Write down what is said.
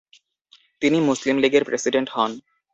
তিনি মুসলিম লীগের প্রেসিডেন্ট হন।